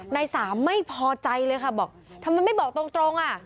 นายสามไม่พอใจเลยค่ะบอกทำไมไม่บอกตรงอ่ะ